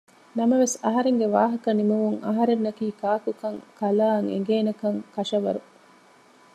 ނަމަވެސް އަހަރެންގެ ވާހަކަ ނިމުމުން އަހަރެންނަކީ ކާކު ކަން ކަލާއަށް އެނގޭނެކަން ކަށަވަރު